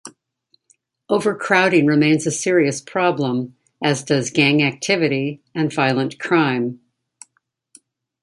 Overcrowding remains a serious problem, as does gang activity and violent crime.